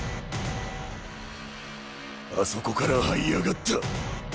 あそこからはい上がった？